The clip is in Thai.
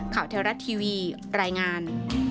ข่าวเทวรัตน์ทีวีรายงาน